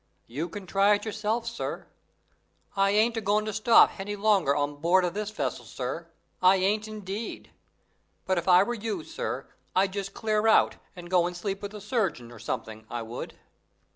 You can try it yourself, sir. I ain't a going to stop hany longer on board o' this vessel, sir; I ain't, indeed. But if I was you, sir, I'd just clear out and go and sleep with the surgeon, or something, I would.